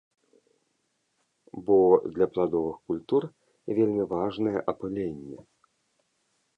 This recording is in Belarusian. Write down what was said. Бо для пладовых культур вельмі важнае апыленне.